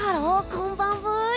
こんばんブイ！